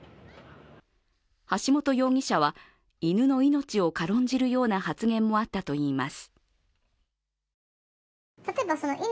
橋本容疑者は、犬の命を軽んじるような発言もあったといいます。